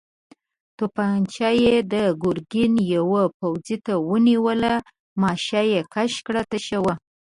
توپانجه يې د ګرګين يوه پوځي ته ونيوله، ماشه يې کش کړه، تشه وه.